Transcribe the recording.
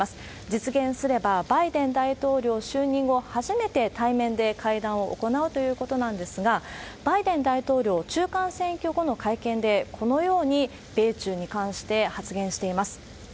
実現すれば、バイデン大統領就任後、初めて対面で会談を行うということなんですが、バイデン大統領、中間選挙後の会見で、このように米中に関して発言しています。